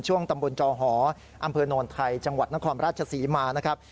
ตำบลจอหออำเภอโนนไทยจังหวัดนครราชศรีมานะครับ